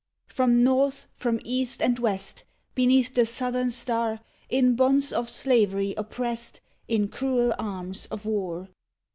II From North, from East and West; Beneath the southern star; In bonds of slavery opprest, In cruel arms of war.